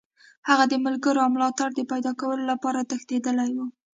هغه د ملګرو او ملاتړو د پیداکولو لپاره تښتېدلی وو.